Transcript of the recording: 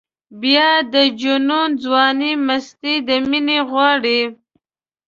بیا د جنون ځواني مستي د مینې غواړي.